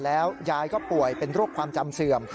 แล้วยายก็ป่วยเป็นโรคความจำเสื่อม